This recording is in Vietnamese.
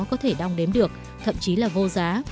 có thể đong đếm được thậm chí là vô giá